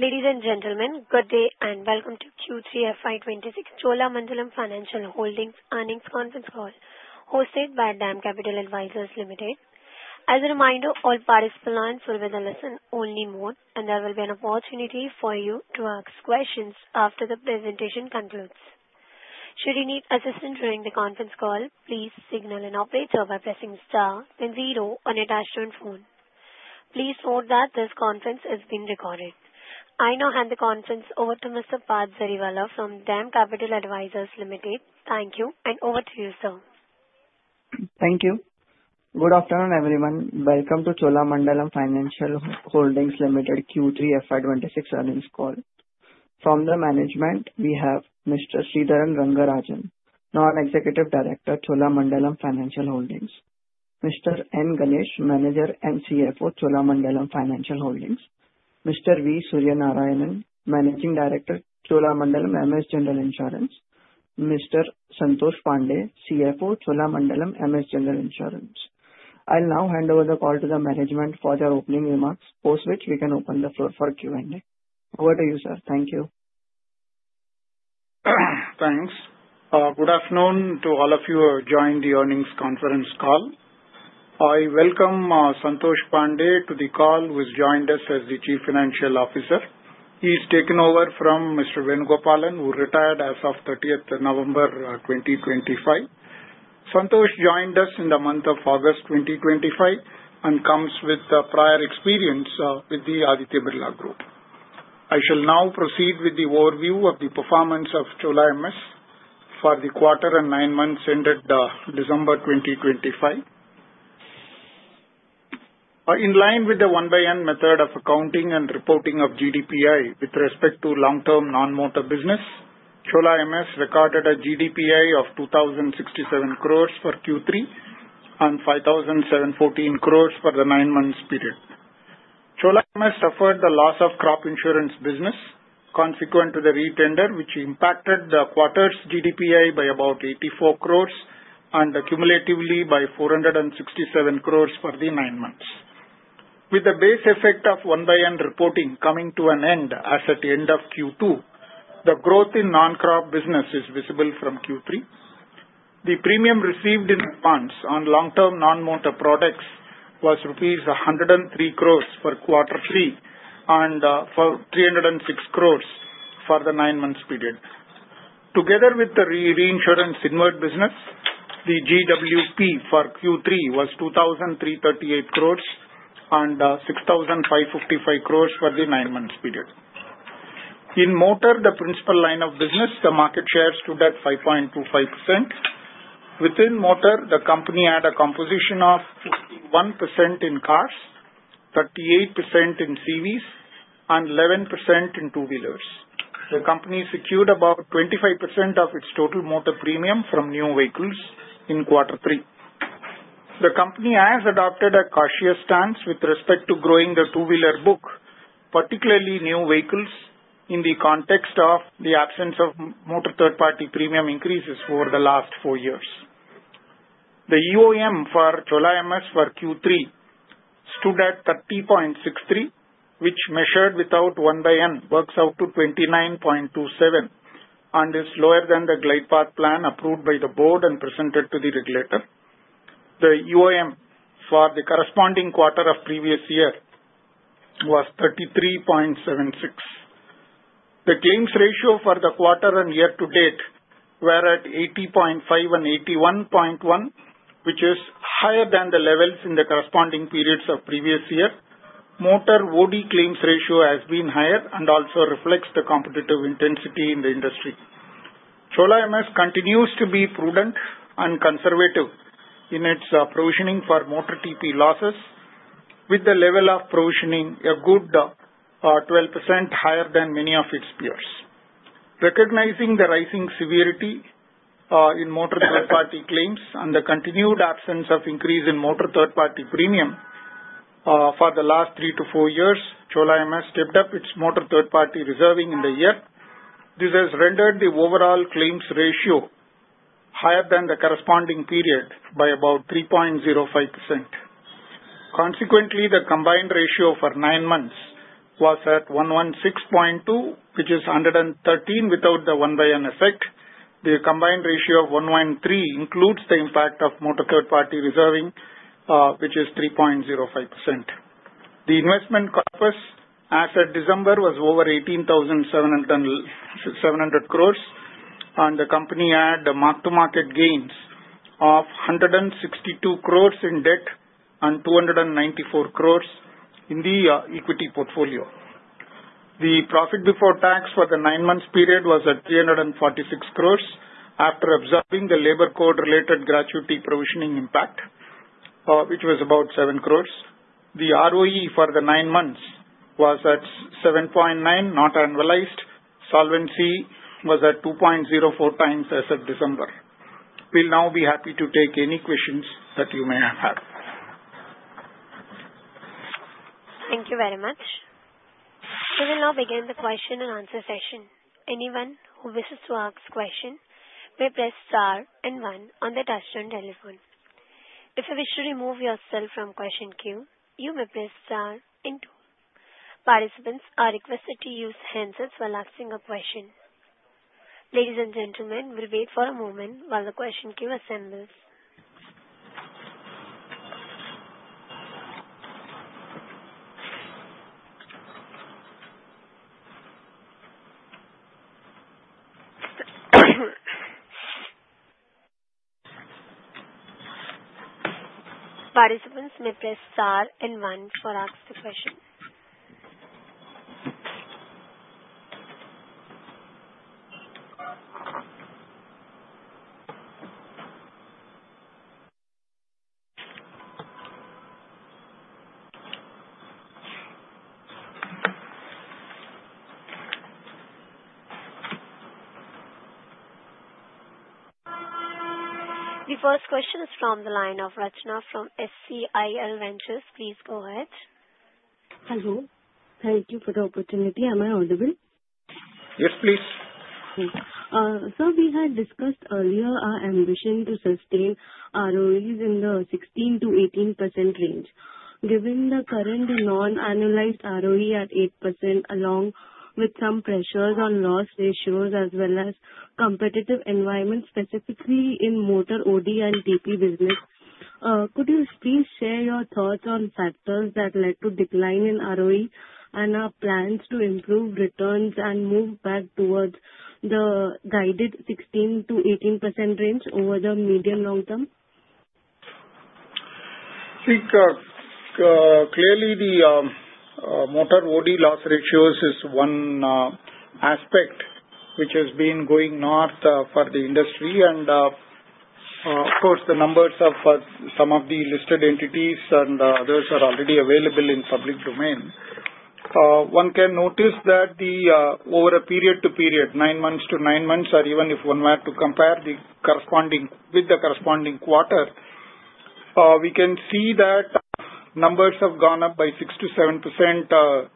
Ladies and gentlemen, good day and welcome to Q3 FY26 Cholamandalam Financial Holdings earnings conference call hosted by DAM Capital Advisors Limited. As a reminder, all participants will be in listen-only mode, and there will be an opportunity for you to ask questions after the presentation concludes. Should you need assistance during the conference call, please signal an operator by pressing star, then zero, on your dashboard phone. Please note that this conference is being recorded. I now hand the conference over to Mr. Parth Jariwala from DAM Capital Advisors Limited. Thank you, and over to you, sir. Thank you. Good afternoon, everyone. Welcome to Cholamandalam Financial Holdings Limited Q3 FY26 earnings call. From the management, we have Mr. Sridharan Rangarajan, Non-Executive Director, Cholamandalam Financial Holdings Limited. Mr. N. Ganesh, Manager and CFO, Cholamandalam Financial Holdings Limited. Mr. V. Suryanarayanan, Managing Director, Cholamandalam MS General Insurance. Mr. Santosh Pandey, CFO, Cholamandalam MS General Insurance. I'll now hand over the call to the management for their opening remarks, post which we can open the floor for Q&A. Over to you, sir. Thank you. Thanks. Good afternoon to all of you who joined the earnings conference call. I welcome Santosh Pandey to the call, who has joined us as the Chief Financial Officer. He's taken over from Mr. Venugopalan, who retired as of 30th November 2025. Santosh joined us in the month of August 2025 and comes with prior experience with the Aditya Birla Group. I shall now proceed with the overview of the performance of Chola MS for the quarter and nine months ended December 2025. In line with the 1:1 method of accounting and reporting of GDPI with respect to long-term non-motor business, Chola MS recorded a GDPI of 2,067 crores for Q3 and 5,714 crores for the nine-month period. Chola MS suffered the loss of crop insurance business consequent to the retender, which impacted the quarter's GDPI by about 84 crores and cumulatively by 467 crores for the nine months. With the base effect of 1:1 reporting coming to an end as at the end of Q2, the growth in non-crop business is visible from Q3. The premium received in advance on long-term non-motor products was rupees 103 crores for quarter 3 and 306 crores for the 9-month period. Together with the reinsurance inward business, the GWP for Q3 was 2,338 crores and 6,555 crores for the 9-month period. In motor, the principal line of business, the market share stood at 5.25%. Within motor, the company had a composition of 51% in cars, 38% in CVs, and 11% in two-wheelers. The company secured about 25% of its total motor premium from new vehicles in quarter 3. The company has adopted a cautious stance with respect to growing the two-wheeler book, particularly new vehicles, in the context of the absence of motor third-party premium increases over the last four years. The EOM for Chola MS for Q3 stood at 30.63, which measured without 1:1 works out to 29.27 and is lower than the glide path plan approved by the board and presented to the regulator. The EOM for the corresponding quarter of previous year was 33.76. The claims ratio for the quarter and year to date were at 80.5 and 81.1, which is higher than the levels in the corresponding periods of previous year. Motor OD claims ratio has been higher and also reflects the competitive intensity in the industry. Chola MS continues to be prudent and conservative in its provisioning for motor TP losses, with the level of provisioning a good 12% higher than many of its peers. Recognizing the rising severity in motor third-party claims and the continued absence of increase in motor third-party premium for the last 3-4 years, Chola MS tipped up its motor third-party reserving in the year. This has rendered the overall claims ratio higher than the corresponding period by about 3.05%. Consequently, the combined ratio for 9 months was at 116.2, which is 113 without the 1:1 effect. The combined ratio of 113 includes the impact of motor third-party reserving, which is 3.05%. The investment corpus as at December was over 18,700 crore, and the company had marked-to-market gains of 162 crore in debt and 294 crore in the equity portfolio. The profit before tax for the 9-month period was at 346 crore after absorbing the labor code-related gratuity provisioning impact, which was about 7 crore. The ROE for the 9 months was at 7.9, not annualized. Solvency was at 2.04 times as at December. We'll now be happy to take any questions that you may have. Thank you very much. We will now begin the question-and-answer session. Anyone who wishes to ask a question may press star and 1 on the touchscreen telephone. If you wish to remove yourself from question queue, you may press star and 2. Participants are requested to use handsets while asking a question. Ladies and gentlemen, we'll wait for a moment while the question queue assembles. Participants may press star and 1 to ask the question. The first question is from the line of Ratna from SCIL Ventures. Please go ahead. Hello. Thank you for the opportunity. Am I audible? Yes, please. Sir, we had discussed earlier our ambition to sustain ROEs in the 16-18% range. Given the current non-annualized ROE at 8%, along with some pressures on loss ratios as well as competitive environment, specifically in Motor OD and TP business, could you please share your thoughts on factors that led to decline in ROE and our plans to improve returns and move back towards the guided 16-18% range over the medium-long term? I think clearly the Motor OD loss ratios is one aspect which has been going north for the industry. Of course, the numbers of some of the listed entities and others are already available in public domain. One can notice that over a period to period, 9 months to 9 months, or even if one were to compare with the corresponding quarter, we can see that numbers have gone up by 6-7%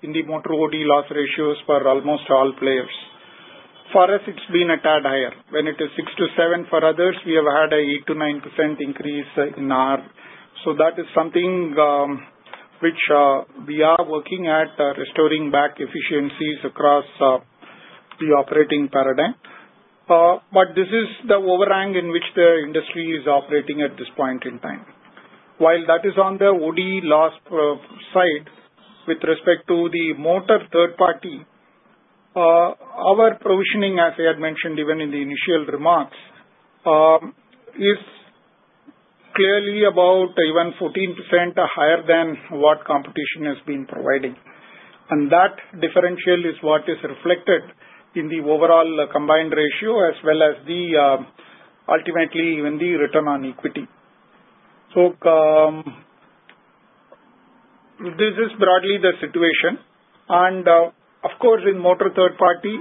in the Motor OD loss ratios for almost all players. For us, it's been a tad higher. When it is 6-7%, for others, we have had a 8-9% increase in ours. So that is something which we are working at restoring back efficiencies across the operating paradigm. This is the overhang in which the industry is operating at this point in time. While that is on the OD loss side with respect to the motor third party, our provisioning, as I had mentioned even in the initial remarks, is clearly about even 14% higher than what competition has been providing. And that differential is what is reflected in the overall combined ratio as well as ultimately even the return on equity. So this is broadly the situation. And of course, in motor third party,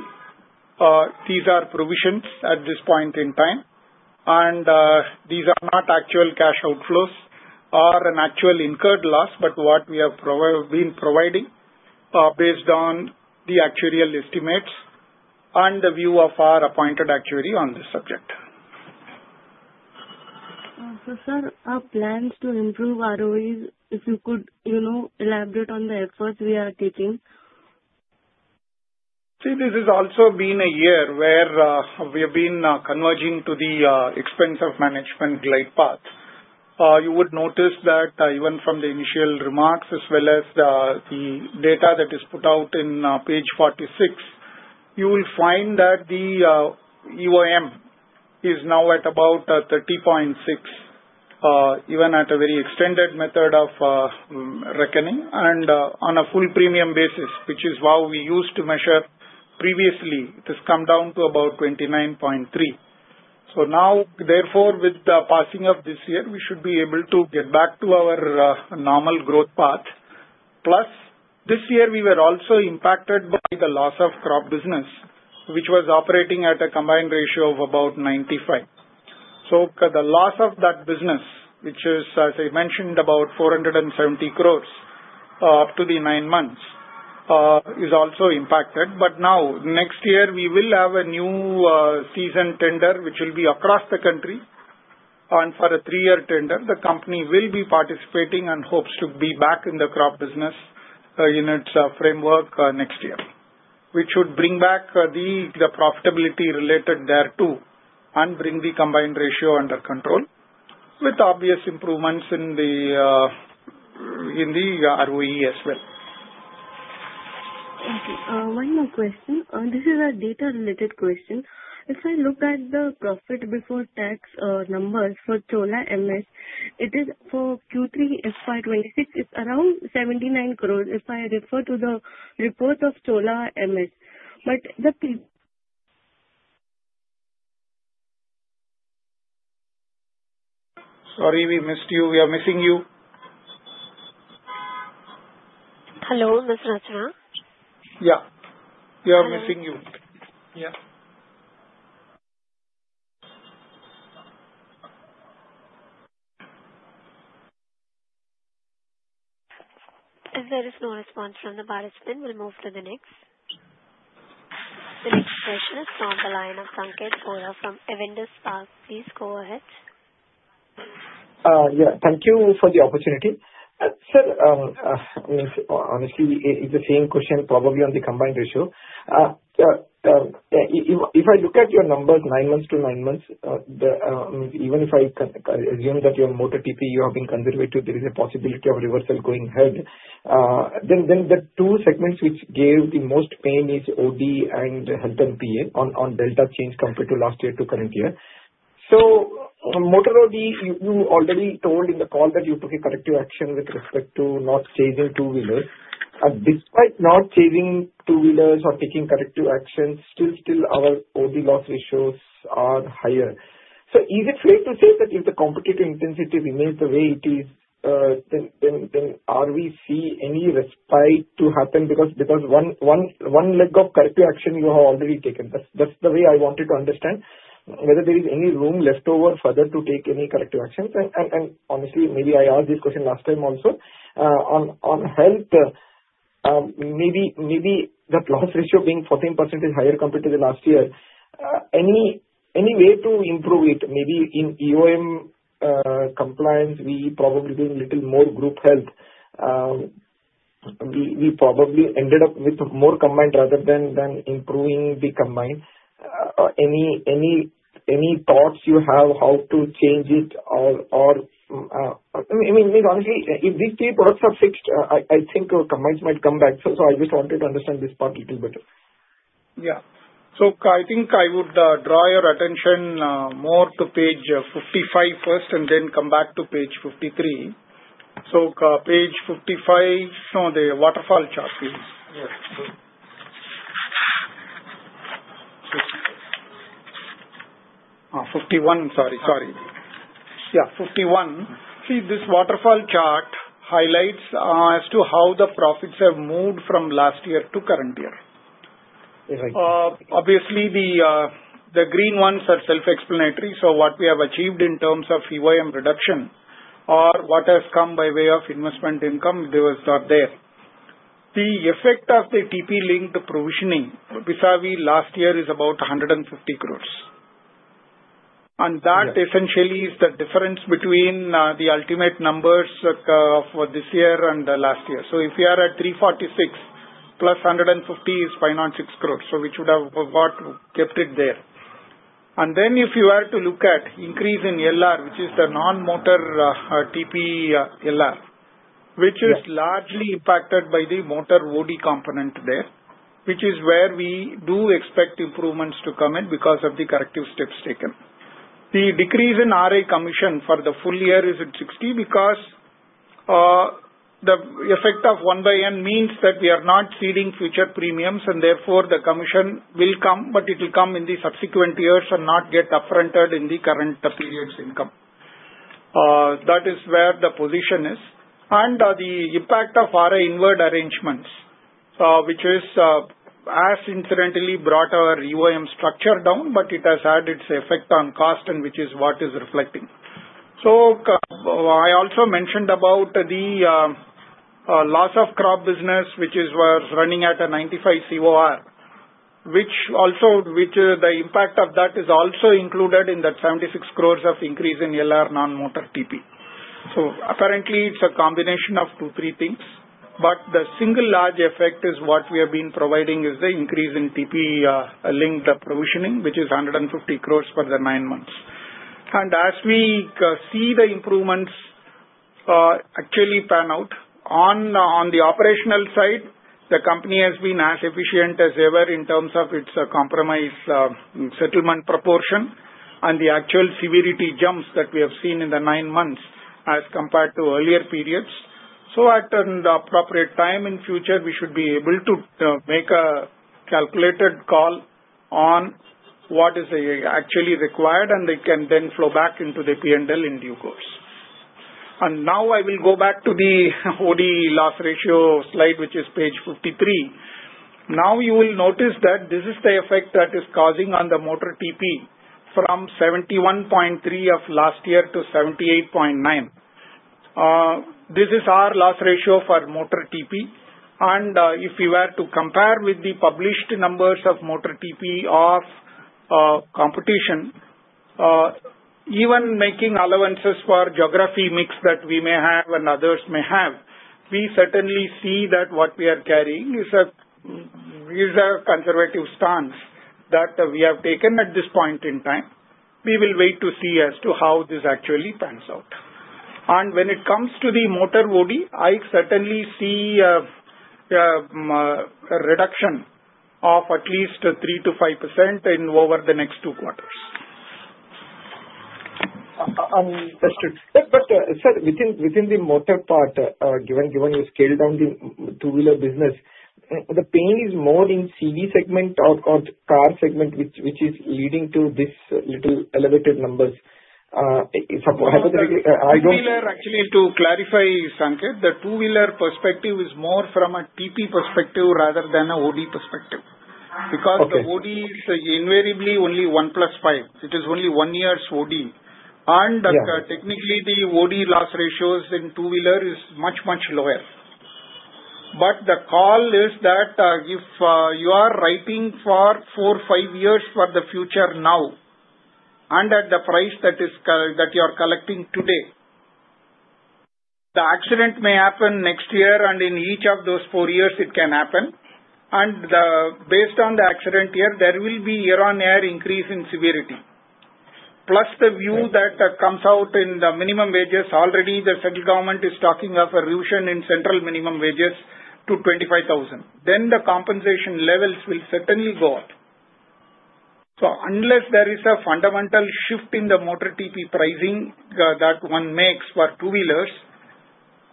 these are provisions at this point in time. And these are not actual cash outflows or an actual incurred loss, but what we have been providing based on the actuarial estimates and the view of our appointed actuary on this subject. Sir, our plans to improve ROEs, if you could elaborate on the efforts we are taking? See, this has also been a year where we have been converging to the expense of management glide path. You would notice that even from the initial remarks as well as the data that is put out in page 46, you will find that the EOM is now at about 30.6, even at a very extended method of reckoning and on a full premium basis, which is how we used to measure previously. It has come down to about 29.3. So now, therefore, with the passing of this year, we should be able to get back to our normal growth path. Plus, this year, we were also impacted by the loss of crop business, which was operating at a combined ratio of about 95. So the loss of that business, which is, as I mentioned, about 470 crore up to the 9 months, is also impacted. But now, next year, we will have a new season tender, which will be across the country. And for a three-year tender, the company will be participating and hopes to be back in the crop business in its framework next year, which should bring back the profitability related thereto and bring the Combined Ratio under control with obvious improvements in the ROE as well. Thank you. One more question. This is a data-related question. If I look at the profit before tax numbers for Chola MS, it is for Q3 FY26, it's around 79 crore if I refer to the report of Chola MS. But the. Sorry, we missed you. We are missing you. Hello, Ms. Ratna? Yeah. We are missing you. Yeah. If there is no response from the participant, we'll move to the next. The next question is from the line of Sanket Godha from Avendus Spark. Please go ahead. Yeah. Thank you for the opportunity. Sir, honestly, it's the same question probably on the combined ratio. If I look at your numbers 9 months to 9 months, even if I assume that your motor TP you have been conservative, there is a possibility of reversal going ahead. Then the two segments which gave the most pain is OD and health and PA on delta change compared to last year to current year. So motor OD, you already told in the call that you took a corrective action with respect to not chasing two-wheelers. Despite not chasing two-wheelers or taking corrective actions, still our OD loss ratios are higher. So is it fair to say that if the competitive intensity remains the way it is, then are we seeing any respite to happen? Because one leg of corrective action you have already taken. That's the way I wanted to understand whether there is any room left over further to take any corrective actions. And honestly, maybe I asked this question last time also. On health, maybe that loss ratio being 14% is higher compared to the last year. Any way to improve it? Maybe in EOM compliance, we probably do a little more group health. We probably ended up with more combined rather than improving the combined. Any thoughts you have how to change it or? I mean, honestly, if these three products are fixed, I think combined might come back. So I just wanted to understand this part a little better. Yeah. So I think I would draw your attention more to page 55 first and then come back to page 53. So page 55, no, the waterfall chart, please. 51. Sorry, sorry. Yeah, 51. See, this waterfall chart highlights as to how the profits have moved from last year to current year. Obviously, the green ones are self-explanatory. So what we have achieved in terms of EOM reduction or what has come by way of investment income, there was not there. The effect of the TP-linked provisioning, Pisavi, last year is about 150 crore. And that essentially is the difference between the ultimate numbers of this year and last year. So if we are at 346 + 150 is 496 crore, so we should have kept it there. If you were to look at increase in LR, which is the non-motor TP LR, which is largely impacted by the motor OD component there, which is where we do expect improvements to come in because of the corrective steps taken. The decrease in RA commission for the full year is at 60 because the effect of 1:1 means that we are not ceding future premiums, and therefore, the commission will come, but it will come in the subsequent years and not get upfronted in the current period's income. That is where the position is. The impact of RA invert arrangements, which has incidentally brought our EOM structure down, but it has had its effect on cost, which is what is reflecting. So I also mentioned about the loss of crop business, which was running at a 95 COR, which the impact of that is also included in that 76 crore of increase in LR non-motor TP. So apparently, it's a combination of two, three things. But the single large effect is what we have been providing is the increase in TP-linked provisioning, which is 150 crore for the 9 months. And as we see the improvements actually pan out, on the operational side, the company has been as efficient as ever in terms of its compromise settlement proportion and the actual severity jumps that we have seen in the 9 months as compared to earlier periods. So at an appropriate time in future, we should be able to make a calculated call on what is actually required, and they can then flow back into the P&L in due course. Now, I will go back to the OD loss ratio slide, which is page 53. Now, you will notice that this is the effect that is causing on the motor TP from 71.3 of last year to 78.9. This is our loss ratio for motor TP. And if you were to compare with the published numbers of motor TP of competition, even making allowances for geography mix that we may have and others may have, we certainly see that what we are carrying is a conservative stance that we have taken at this point in time. We will wait to see as to how this actually pans out. And when it comes to the motor OD, I certainly see a reduction of at least 3-5% over the next two quarters. Understood. But sir, within the motor part, given you scaled down the two-wheeler business, the pain is more in CV segment or car segment, which is leading to these little elevated numbers? Hypothetically, I don't. Two-wheeler, actually, to clarify, Sanket, the two-wheeler perspective is more from a TP perspective rather than an OD perspective. Because the OD is invariably only 1 + 5. It is only 1 year's OD. And technically, the OD loss ratios in two-wheeler is much, much lower. But the call is that if you are writing for 4, 5 years for the future now and at the price that you are collecting today, the accident may happen next year, and in each of those 4 years, it can happen. And based on the accident year, there will be year-on-year increase in severity. Plus, the view that comes out in the minimum wages, already the central government is talking of a revision in central minimum wages to 25,000. Then the compensation levels will certainly go up. So unless there is a fundamental shift in the Motor TP pricing that one makes for two-wheelers,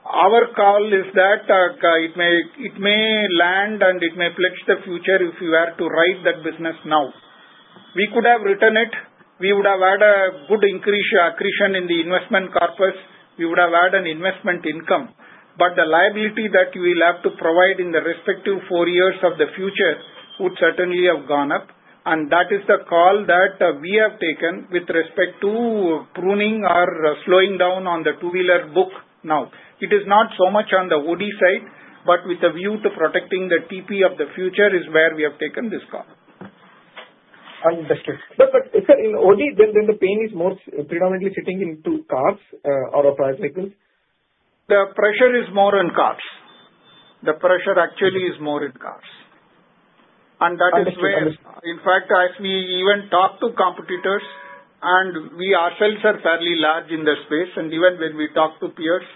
our call is that it may languish and it may plague the future if you were to ride that business now. We could have run it. We would have had a good accretion in the investment corpus. We would have had an investment income. But the liability that you will have to provide in the respective four years of the future would certainly have gone up. And that is the call that we have taken with respect to pruning or slowing down on the two-wheeler book now. It is not so much on the OD side, but with the view to protecting the TP of the future is where we have taken this call. Understood. But sir, in OD, then the pain is more predominantly sitting into cars or private vehicles? The pressure is more in cars. The pressure actually is more in cars. That is where, in fact, as we even talk to competitors and we ourselves are fairly large in the space, and even when we talk to peers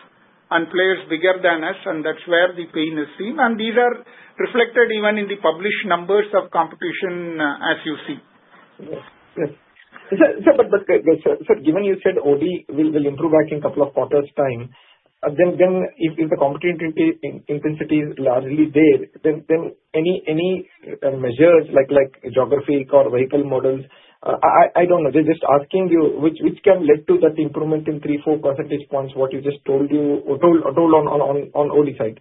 and players bigger than us, and that's where the pain is seen. These are reflected even in the published numbers of competition, as you see. Yes. Yes. Sir, but sir, given you said OD will improve back in a couple of quarters' time, then if the competitive intensity is largely there, then any measures like geographic or vehicle models, I don't know. They're just asking you which can lead to that improvement in 3-4 percentage points, what you just told on OD side?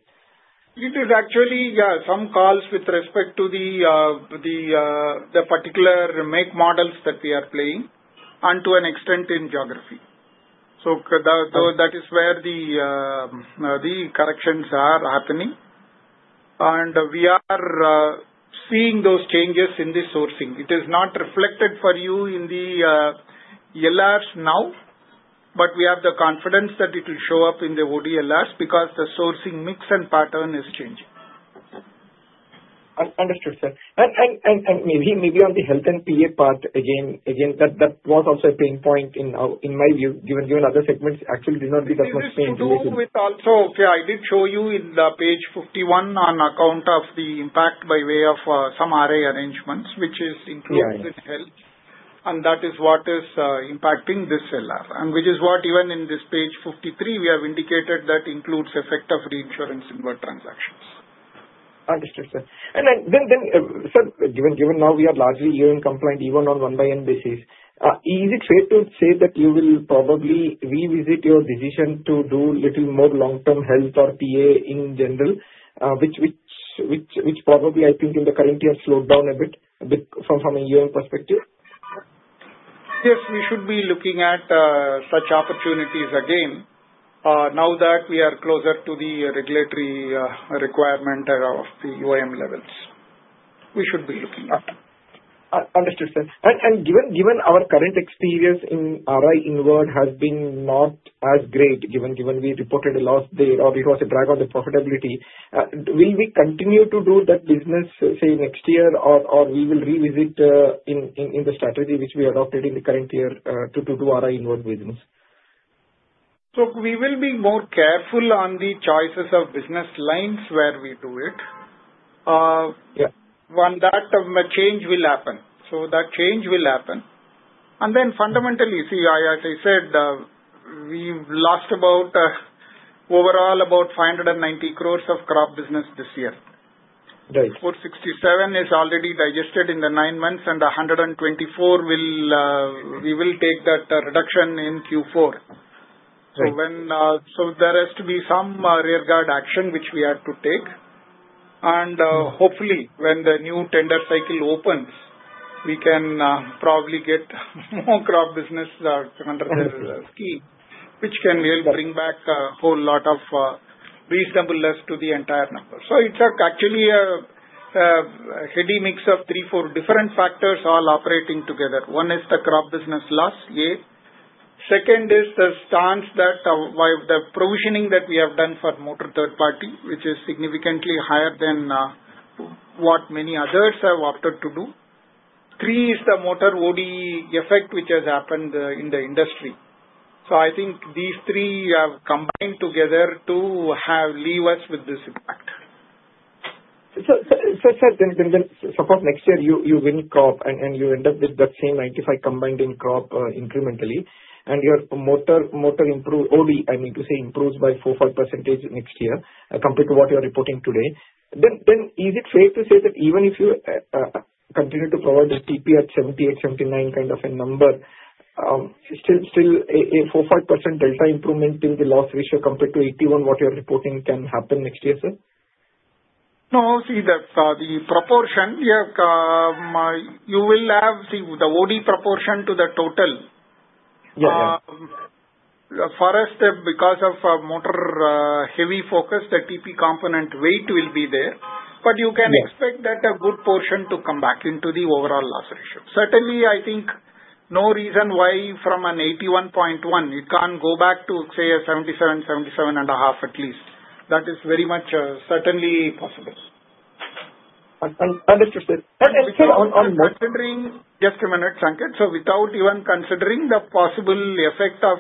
It is actually, yeah, some calls with respect to the particular make models that we are playing and to an extent in geography. So that is where the corrections are happening. And we are seeing those changes in the sourcing. It is not reflected for you in the LRs now, but we have the confidence that it will show up in the OD LRs because the sourcing mix and pattern is changing. Understood, sir. Maybe on the health and PA part, again, that was also a pain point in my view, given other segments actually did not be that much pain related. So I did show you in page 51 on account of the impact by way of some RA arrangements, which includes in health. And that is what is impacting this LR, which is what even in this page 53, we have indicated that includes effect of reinsurance invert transactions. Understood, sir. And then, sir, given now we are largely year-on-year compliant even on 1:1 basis, is it fair to say that you will probably revisit your decision to do a little more long-term health or PA in general, which probably, I think, in the current year slowed down a bit from a year-on-year perspective? Yes, we should be looking at such opportunities again now that we are closer to the regulatory requirement of the EOM levels. We should be looking at. Understood, sir. And given our current experience in RI invert has been not as great, given we reported a loss there or it was a drag on the profitability, will we continue to do that business, say, next year, or we will revisit in the strategy which we adopted in the current year to do RI invert business? So we will be more careful on the choices of business lines where we do it when that change will happen. So that change will happen. And then fundamentally, see, as I said, we've lost overall about 590 crore of crop business this year. 467 crore is already digested in the nine months, and 124 crore, we will take that reduction in Q4. So there has to be some rearguard action which we have to take. And hopefully, when the new tender cycle opens, we can probably get more crop business under their skin, which can help bring back a whole lot of reasonable loss to the entire number. So it's actually a heady mix of three, four different factors all operating together. One is the crop business loss, yeah. Second is the stance that the provisioning that we have done for Motor Third Party, which is significantly higher than what many others have opted to do. Three is the Motor OD effect which has happened in the industry. So I think these three have combined together to leave us with this impact. So sir, then suppose next year you win crop and you end up with that same 95 combined in crop incrementally, and your motor OD, I mean to say, improves by 4-5 percentage next year compared to what you are reporting today. Then is it fair to say that even if you continue to provide the TP at 78-79 kind of a number, still a 4-5% delta improvement in the loss ratio compared to 81, what you are reporting, can happen next year, sir? No, see, the proportion you will have. See, the OD proportion to the total. For us, because of motor heavy focus, the TP component weight will be there. But you can expect that a good portion to come back into the overall loss ratio. Certainly, I think no reason why from an 81.1 it can't go back to, say, a 77, 77.5 at least. That is very much certainly possible. Understood, sir. And sir, on considering, just a minute, Sanket, so without even considering the possible effect of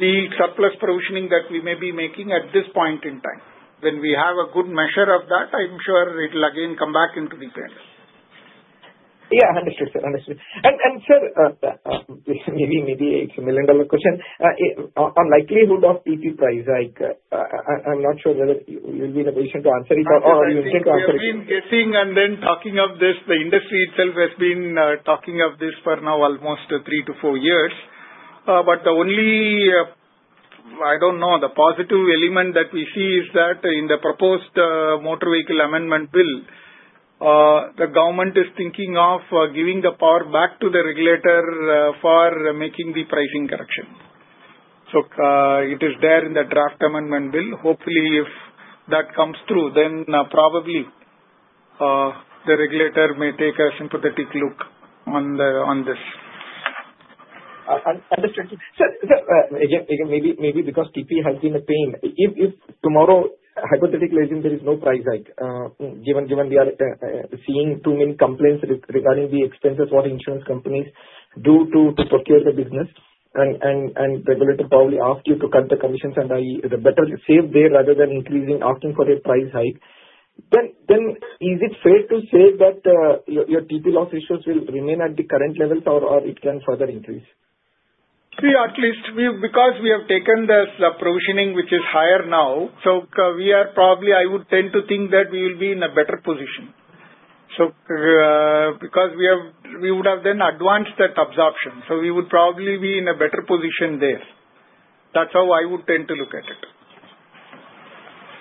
the surplus provisioning that we may be making at this point in time, when we have a good measure of that, I'm sure it will again come back into the payment. Yeah, understood, sir. Understood. And sir, maybe it's a million-dollar question. On likelihood of TP price, I'm not sure whether you'll be in a position to answer it or you intend to answer it. We have been guessing and then talking of this. The industry itself has been talking of this for now almost 3-4 years. But the only, I don't know, the positive element that we see is that in the proposed Motor vehicle amendment bill, the government is thinking of giving the power back to the regulator for making the pricing correction. So it is there in the draft amendment bill. Hopefully, if that comes through, then probably the regulator may take a sympathetic look on this. Understood. Sir, again, maybe because TP has been a pain, if tomorrow, hypothetically, there is no price hike, given we are seeing too many complaints regarding the expenses what insurance companies do to procure the business, and regulator probably ask you to cut the commissions, i.e., the better save there rather than asking for a price hike, then is it fair to say that your TP loss issues will remain at the current levels or it can further increase? See, at least because we have taken this provisioning, which is higher now, so we are probably, I would tend to think that we will be in a better position. So because we would have then advanced that absorption, so we would probably be in a better position there. That's how I would tend to look at it.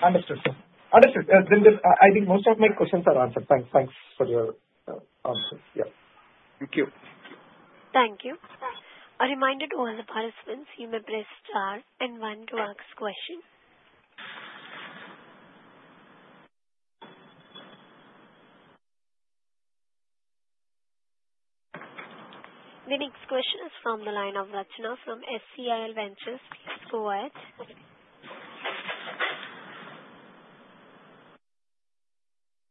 Understood, sir. Understood. Then I think most of my questions are answered. Thanks for your answers. Yeah. Thank you. Thank you. A reminder to all the participants, you may press star and one to ask question. The next question is from the line of Ratna from SCIL Ventures. Please go ahead.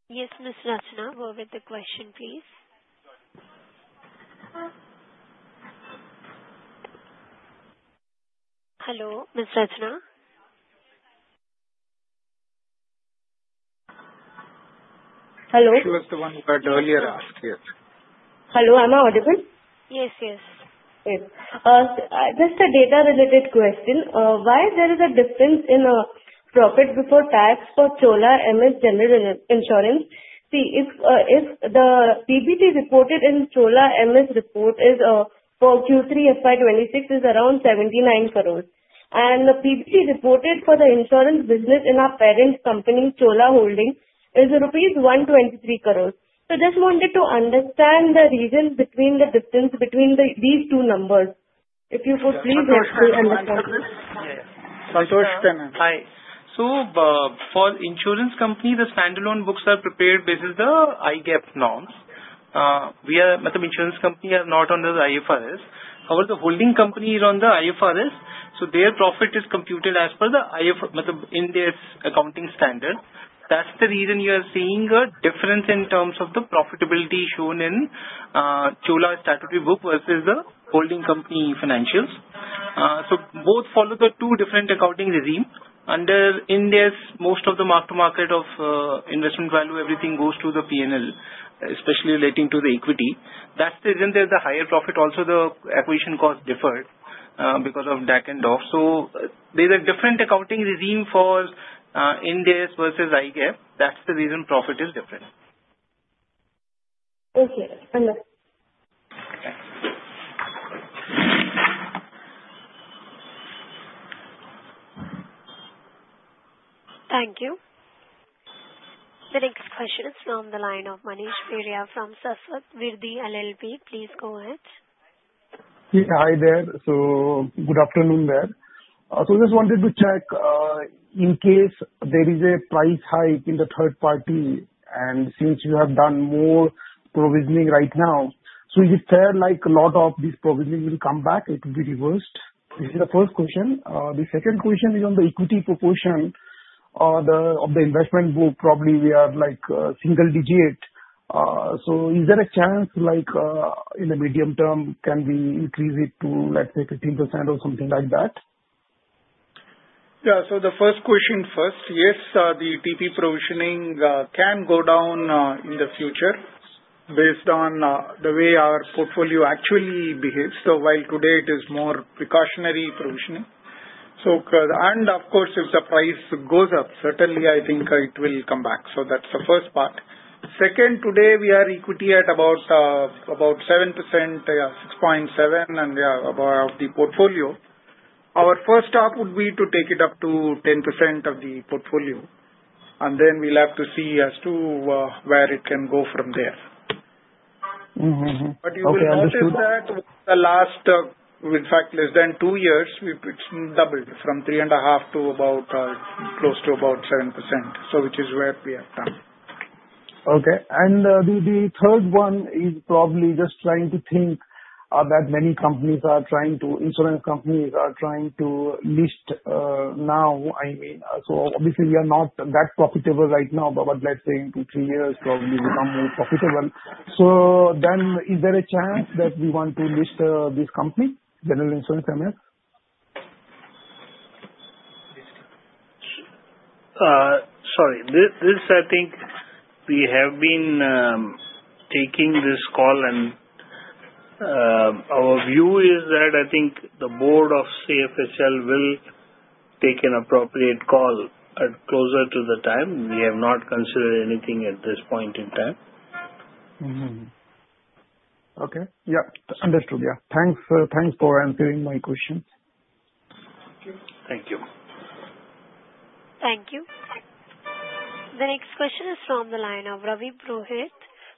Yes, Miss Ratna, go ahead with the question, please. Hello, Miss Ratna? Hello. She was the one who had earlier asked, yes. Hello. Am I audible? Yes, yes. Yes. Just a data-related question. Why is there a difference in profit before tax for Chola MS General Insurance? See, if the PBT reported in Chola MS report is for Q3 FY26, it is around 79 crore. And the PBT reported for the insurance business in our parent company, Chola Holdings, is rupees 123 crore. So I just wanted to understand the reason between the difference between these two numbers. If you could please help me understand. Yeah, yeah. Santosh, 10 minutes. Hi. So for insurance companies, the standalone books are prepared based on the IGAAP norms. We are, I mean, insurance companies are not under the IFRS. However, the holding company is on the IFRS, so their profit is computed as per the IFRS, I mean, in their accounting standard. That's the reason you are seeing a difference in terms of the profitability shown in Chola's statutory book versus the holding company financials. So both follow the two different accounting regimes. In theirs, most of the mark-to-market of investment value, everything goes through the P&L, especially relating to the equity. That's the reason there's the higher profit. Also, the acquisition costs differed because of DAC and DOF. So there's a different accounting regime for Ind AS versus IGAAP. That's the reason profit is different. Okay. Understood. Thank you. The next question is from the line of Manish Valia from Saswat Vitti LLP. Please go ahead. Hi there. Good afternoon there. I just wanted to check in case there is a price hike in the third party. And since you have done more provisioning right now, so is it fair a lot of this provisioning will come back? It will be reversed? This is the first question. The second question is on the equity proportion of the investment book. Probably, we are single-digit. So is there a chance in the medium term, can we increase it to, let's say, 15% or something like that? Yeah. So the first question first, yes, the TP provisioning can go down in the future based on the way our portfolio actually behaves. So while today, it is more precautionary provisioning. And of course, if the price goes up, certainly, I think it will come back. So that's the first part. Second, today, we are equity at about 7%, yeah, 6.7%, and yeah, of the portfolio. Our first stop would be to take it up to 10% of the portfolio. And then we'll have to see as to where it can go from there. But you will notice that in fact, less than two years, it's doubled from 3.5 to close to about 7%, which is where we have done. Okay. And the third one is probably just trying to think that insurance companies are trying to list now, I mean. So obviously, we are not that profitable right now, but let's say in two, three years, probably become more profitable. So then is there a chance that we want to list this company, General Insurance MS? Sorry. This, I think, we have been taking this call, and our view is that I think the board of CFSL will take an appropriate call closer to the time. We have not considered anything at this point in time. Okay. Yeah. Understood. Yeah. Thanks for answering my questions. Thank you. Thank you. The next question is from the line of Ravi Purohit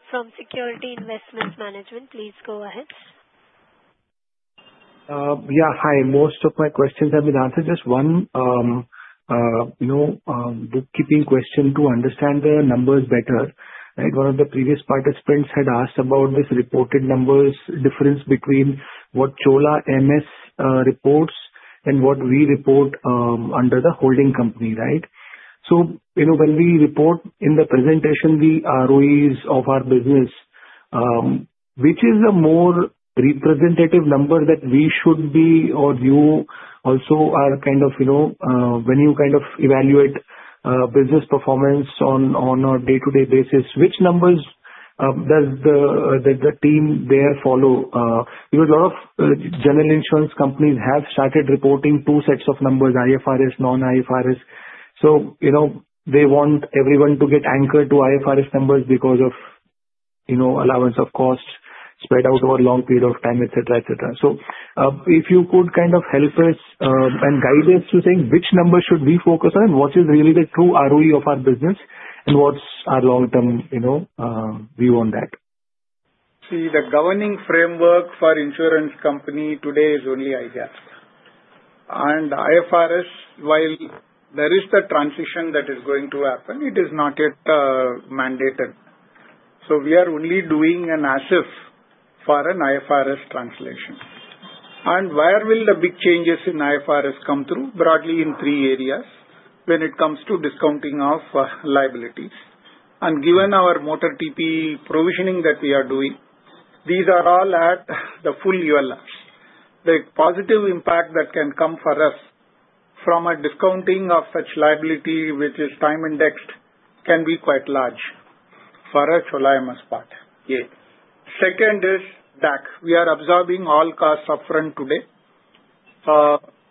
from Securities Investment Management. Please go ahead. Yeah. Hi. Most of my questions have been answered. Just one bookkeeping question to understand the numbers better, right? One of the previous participants had asked about this reported numbers, difference between what Chola MS reports and what we report under the holding company, right? So when we report in the presentation, the ROEs of our business, which is a more representative number that we should be or you also are kind of when you kind of evaluate business performance on a day-to-day basis, which numbers does the team there follow? Because a lot of general insurance companies have started reporting two sets of numbers, IFRS, non-IFRS. So they want everyone to get anchored to IFRS numbers because of allowance of costs spread out over a long period of time, etc., etc. If you could kind of help us and guide us to saying which numbers should we focus on and what is really the true ROE of our business and what's our long-term view on that? See, the governing framework for insurance company today is only IGAAP. IFRS, while there is the transition that is going to happen, it is not yet mandated. We are only doing an asset for an IFRS translation. Where will the big changes in IFRS come through? Broadly, in three areas when it comes to discounting of liabilities. Given our motor TP provisioning that we are doing, these are all at the full ULRs. The positive impact that can come for us from a discounting of such liability, which is time-indexed, can be quite large for our Chola MS part. Second is DAC. We are absorbing all costs upfront today,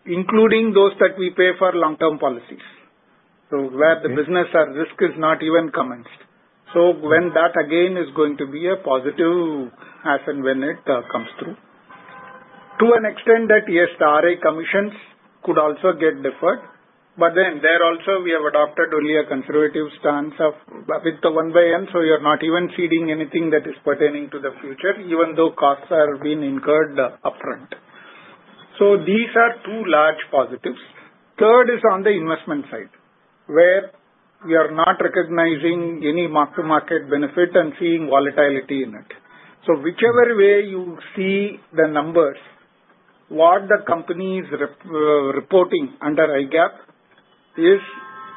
including those that we pay for long-term policies where the business risk is not even commenced. When that, again, is going to be a positive as in when it comes through. To an extent that, yes, the RA commissions could also get deferred. But then there also, we have adopted only a conservative stance with the 1:1, so you're not even seeding anything that is pertaining to the future, even though costs have been incurred upfront. So these are two large positives. Third is on the investment side where we are not recognizing any mark-to-market benefit and seeing volatility in it. So whichever way you see the numbers, what the company is reporting under IGAAP is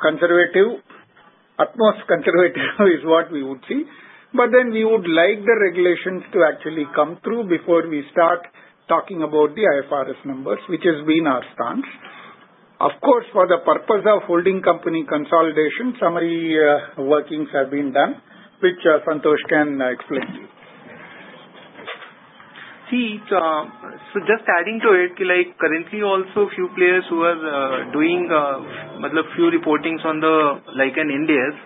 conservative. Utmost conservative is what we would see. But then we would like the regulations to actually come through before we start talking about the IFRS numbers, which has been our stance. Of course, for the purpose of holding company consolidation, summary workings have been done, which Santosh can explain to you. See, so just adding to it, currently, also, a few players who are doing, I mean, a few reportings on the like in Ind AS,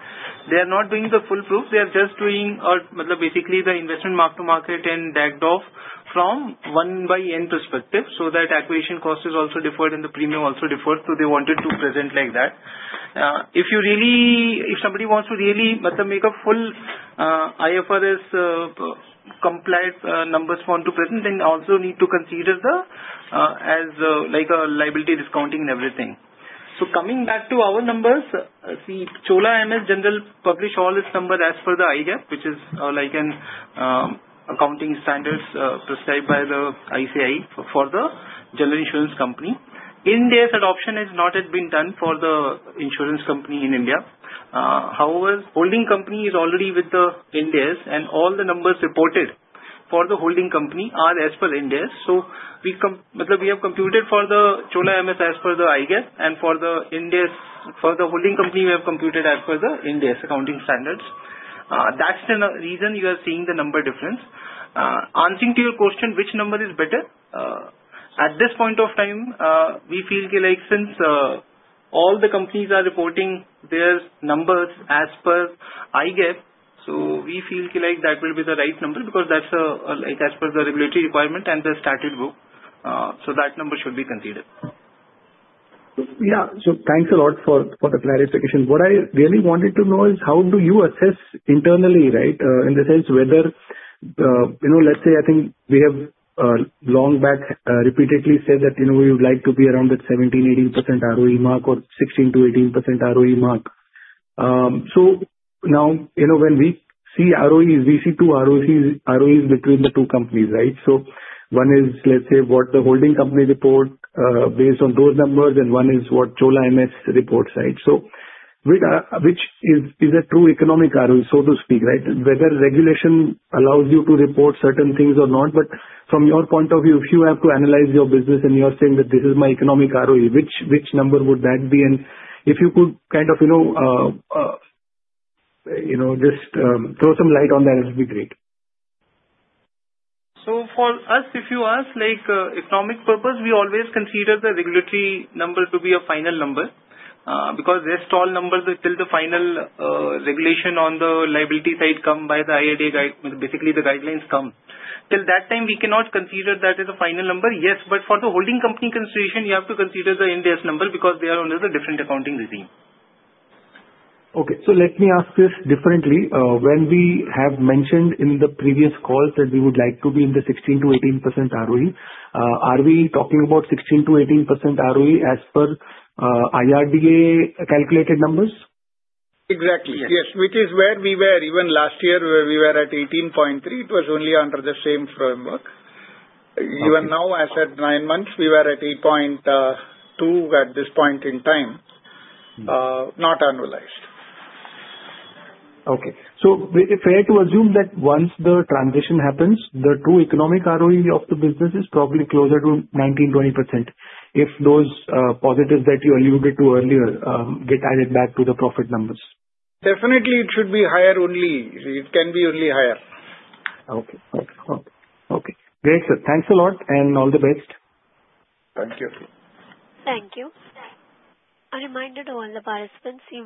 they are not doing the full proof. They are just doing, I mean, basically, the investment mark-to-market and DAC/DOF from 1:1 perspective so that acquisition cost is also deferred and the premium also deferred. So they wanted to present like that. If somebody wants to really, I mean, make a full IFRS-compliant numbers want to present, then also need to consider that as a liability discounting and everything. So coming back to our numbers, see, Chola MS General published all its numbers as per the IGAAP, which is like an accounting standard prescribed by the ICAI for the general insurance company. Ind AS adoption has not yet been done for the insurance company in India. However, holding company is already with the Ind AS, and all the numbers reported for the holding company are as per Ind AS. So we have computed for the Chola MS as per the IGAAP, and for the holding company, we have computed as per the Ind AS accounting standards. That's the reason you are seeing the number difference. Answering to your question, which number is better? At this point of time, we feel that since all the companies are reporting their numbers as per IGAAP, so we feel that will be the right number because that's as per the regulatory requirement and the statutory book. So that number should be considered. Yeah. So thanks a lot for the clarification. What I really wanted to know is how do you assess internally, right, in the sense whether let's say, I think we have long back repeatedly said that we would like to be around that 17-18% ROE mark or 16-18% ROE mark. So now when we see ROEs, we see two ROEs between the two companies, right? So one is, let's say, what the holding company reports based on those numbers, and one is what Chola MS reports, right? So which is a true economic ROE, so to speak, right, whether regulation allows you to report certain things or not. But from your point of view, if you have to analyze your business and you are saying that this is my economic ROE, which number would that be? If you could kind of just throw some light on that, it would be great. So for us, if you ask economic purpose, we always consider the regulatory number to be a final number because there's no number till the final regulation on the liability side comes by the IRD guidelines. Basically, the guidelines come. Till that time, we cannot consider that as a final number, yes. But for the holding company consideration, you have to consider the Ind AS number because they are under the different accounting regime. Okay. So let me ask this differently. When we have mentioned in the previous calls that we would like to be in the 16-18% ROE, are we talking about 16-18% ROE as per IRDA calculated numbers? Exactly. Yes, which is where we were. Even last year, where we were at 18.3, it was only under the same framework. Even now, as at nine months, we were at 8.2 at this point in time, not annualized. Okay. So is it fair to assume that once the transition happens, the true economic ROE of the business is probably closer to 19-20% if those positives that you alluded to earlier get added back to the profit numbers? Definitely, it should be higher only. It can be only higher. Okay. Okay. Okay. Great, sir. Thanks a lot, and all the best. Thank you. Thank you. A reminder to all the participants who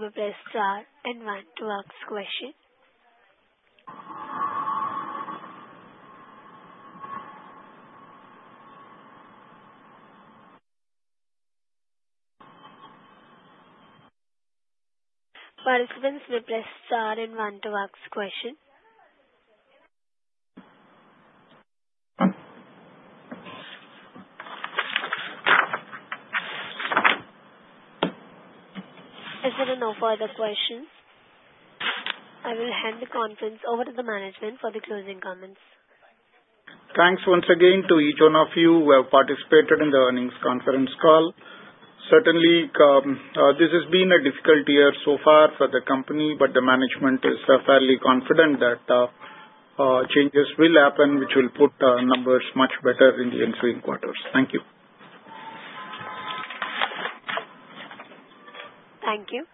will press star and one to ask question. Participants will press star and one to ask question. Is there no further questions? I will hand the conference over to the management for the closing comments. Thanks once again to each one of you who have participated in the earnings conference call. Certainly, this has been a difficult year so far for the company, but the management is fairly confident that changes will happen, which will put numbers much better in the ensuing quarters. Thank you. Thank you.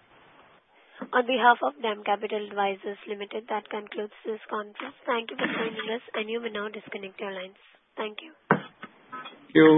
On behalf of DAM Capital Advisors Limited, that concludes this conference. Thank you for joining us, and you may now disconnect your lines. Thank you. Thank you.